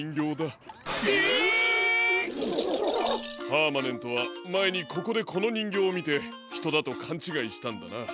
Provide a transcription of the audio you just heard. パーマネントはまえにここでこのにんぎょうをみてひとだとかんちがいしたんだな。